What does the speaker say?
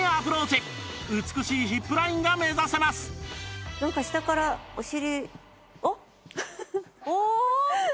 美しいヒップラインが目指せますなんか下からお尻。